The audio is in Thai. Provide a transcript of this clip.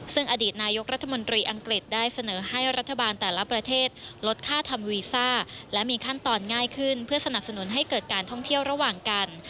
ซึ่งอดีตนายกรัฐมนตรีอังกฤษได้เสนอให้รัฐบาลแต่ละประเทศลดค่าทำวีซ่าและมีขั้นตอนง่ายขึ้นเพื่อสนับสนุนให้เกิดการท่องเที่ยวระหว่างกัน